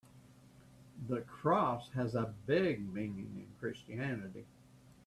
The cross has a big meaning in Christianity.